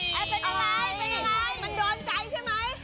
เป็นอะไรมันโดนใจใช่ไหม